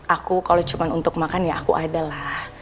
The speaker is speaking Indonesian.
aku kalau cuma untuk makan ya aku ada lah